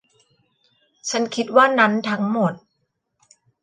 ฉันคิดว่านั้นทั้งหมด